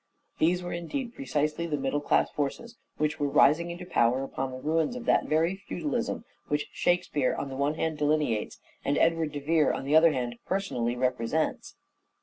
These were indeed precisely the middle class forces which were rising into power upon the ruins of that very feudalism which " Shakespeare," on the one hand delineates, and Edward de Vere, on the other hand personally represents.